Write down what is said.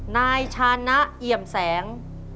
นายชานะเอี่ยมแสง